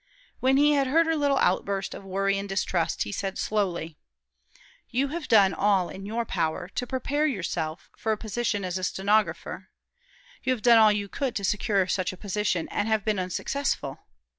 When he had heard her little outburst of worry and distrust, he said, slowly: "You have done all in your power to prepare yourself for a position as stenographer. You have done all you could to secure such a position, and have been unsuccessful.